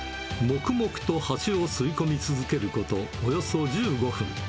もくもくとハチを吸い込み続けることおよそ１５分。